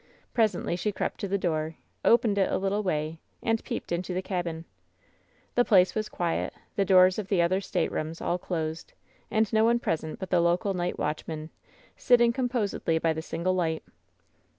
Presently she crept to the door, opened it a little way, and peeped into the cabin. The place was quiet, the doors of the other staterooms all closed. 58 WHEN SHADOWS DIE and no one present but the local night watchman, sitting composedly by the single light.